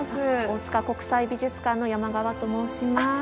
大塚国際美術館の山側と申します。